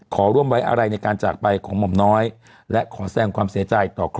ขอร่วมไว้อะไรเนี่ยการจากไปของหม่อมน้อยและข้อแท้งความเสียใจต่อข้อความควร